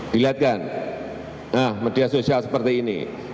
dilihat kan nah media sosial seperti ini